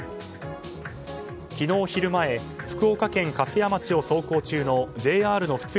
昨日昼前福岡県粕屋町を走行中のＪＲの普通